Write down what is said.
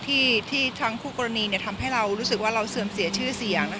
ที่ทั้งคู่กรณีทำให้เรารู้สึกว่าเราเสื่อมเสียชื่อเสียง